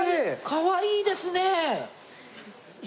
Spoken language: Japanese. かわいいですね！